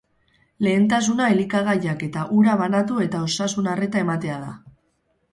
Lehentasuna elikagaiak eta ura banatu eta osasun arreta ematea da.